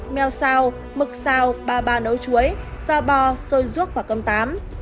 meo xào mực xào ba ba nấu chuối xoa bò xôi ruốc và cơm tám